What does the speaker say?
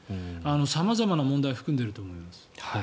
様々な問題を含んでいると思います。